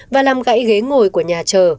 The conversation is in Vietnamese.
và làm gãy ghế ngồi của nhà chở